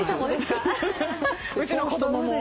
うちの子供も。